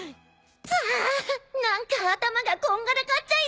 たっ何か頭がこんがらがっちゃいそう。